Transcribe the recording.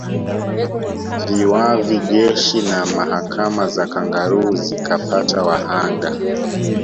Viwavi Jeshi na mahakama za kangaroo zikapata wahanga